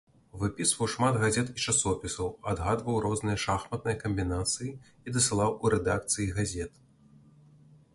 Выпісваў шмат газет і часопісаў, адгадваў розныя шахматныя камбінацыі і дасылаў у рэдакцыі газет.